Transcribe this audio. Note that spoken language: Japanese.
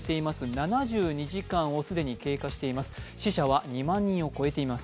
７２時間が既に経過しています。